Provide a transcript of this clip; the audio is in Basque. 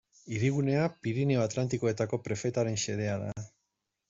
Hirigunea Pirinio Atlantikoetako prefetaren xedea da.